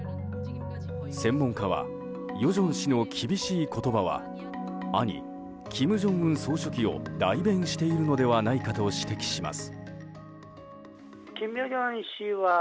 専門家は与正氏の厳しい言葉は兄・金正恩総書記を代弁しているのではないかと指摘します。